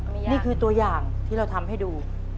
นี่คือตัวอย่างที่เราทำให้ดู